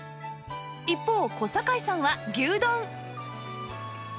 一方小堺さんは牛丼